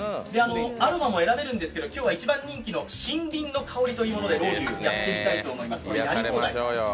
アロマも選べるんですけど今日は一番人気の森林の香りでやっていきたいと思います。